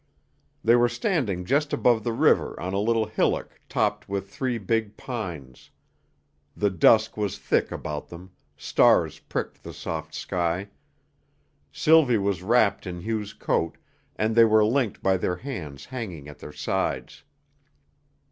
They were standing just above the river on a little hillock topped with three big pines. The dusk was thick about them; stars pricked the soft sky. Sylvie was wrapped in Hugh's coat, and they were linked by their hands hanging at their sides.